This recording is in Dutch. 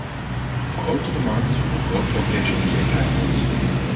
Hoe groter de markt, hoe groter ook deze onzekerheid wordt.